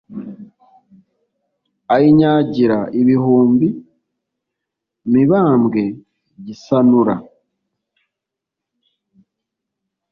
Ayinyagira ibihumbi. MIBAMBWE II GISANURA